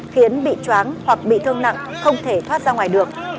khiến bị chóng hoặc bị thương nặng không thể thoát ra ngoài được